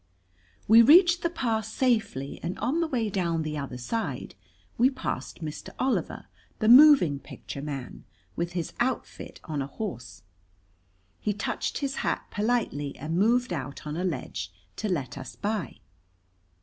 We reached the pass safely, and on the way down the other side we passed Mr. Oliver, the moving picture man, with his outfit on a horse. He touched his hat politely and moved out on a ledge to let us by.